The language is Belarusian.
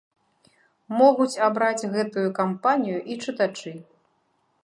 Могуць абраць гэтую кампанію і чытачы.